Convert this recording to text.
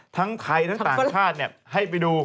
ทั้งไทยทั้งต่างชาติให้ไปดู